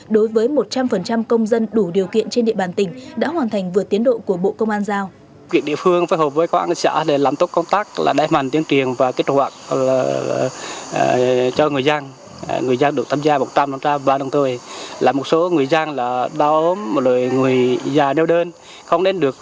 đối với một trăm linh công dân đủ điều kiện trên địa bàn tỉnh đã hoàn thành vượt tiến độ của bộ công an giao